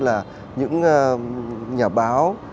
là những nhà báo